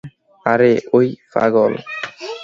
আরে, ওই পাগল?